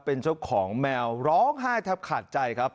เป็นเจ้าของแมวร้องไห้แทบขาดใจครับ